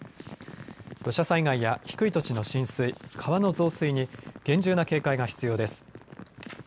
土砂災害や低い土地の浸水、川の増水に厳重な警戒が必要です。